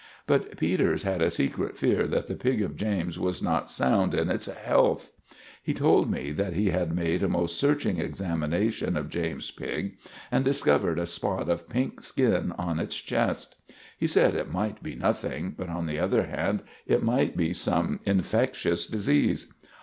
But Peters had a secret fear that the pig of James was not sound in its health. He told me that he had made a most searching examination of James's pig, and discovered a spot of pink skin on its chest. He said it might be nothing, but, on the other hand, it might be some infectious disease.